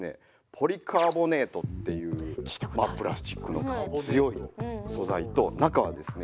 ポリカーボネートっていうまあプラスチックの強い素材と中はですね